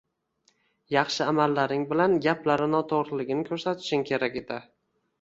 Yaxshi amallaring bilan gaplari noto`g`riligini ko`rsatishing kerak edi